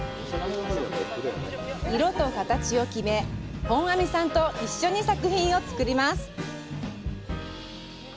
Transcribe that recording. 色と形を決め、本阿彌さんと一緒に作品を作ります。